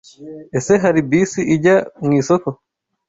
Ese Hari bisi ijya mu isoko?